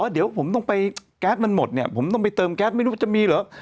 เดี๋ยวผมต้องไปแก๊สมันหมดเนี่ยผมต้องไปเติมแก๊สไม่รู้ว่าจะมีเหรอ